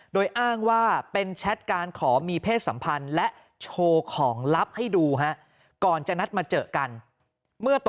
โดยอ้างว่าเป็นแชทการขอมีเพศสัมพันธ์และโชว์ของลับให้ดู